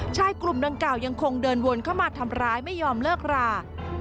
ชายกลุ่มดังกล่าวยังคงเดินวนเข้ามาทำร้ายไม่ยอมเลิกรา